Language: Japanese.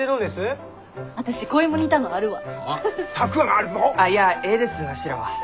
あいやえいですわしらは。